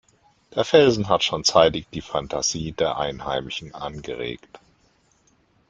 Der Felsen hat schon zeitig die Phantasie der Einheimischen angeregt.